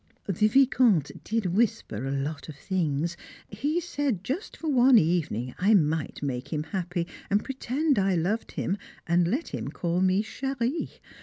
The Vicomte did whisper a lot of things; he said just for one evening I might make him happy and pretend I loved him, and let him call me "chérie."